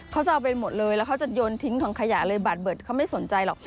เขาจะเอาไปหมดเลยแล้วเขาจะโยนทิ้งถังขยะเลยบาดเบิดเขาไม่สนใจหรอก